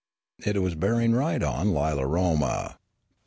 It was bearing right on Lilaroma.